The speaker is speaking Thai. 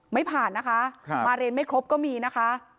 ไม่ผ่านนะคะมาเรียนไม่ครบก็มีนะคะ